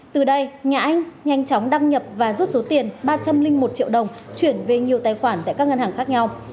từ đây nhã anh nhanh chóng đăng nhập và rút số tiền ba trăm linh một triệu đồng chuyển về nhiều tài khoản tại các ngân hàng khác nhau